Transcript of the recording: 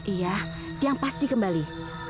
iya tiang pasti kembali